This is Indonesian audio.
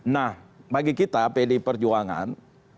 nah bagi kita pdi perjuangan